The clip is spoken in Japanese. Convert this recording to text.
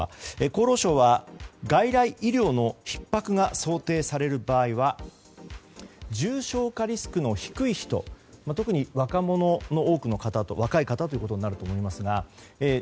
厚労省は外来医療のひっ迫が想定される場合は重症化リスクの低い人特に若者の多くの方若い方になると思いますが。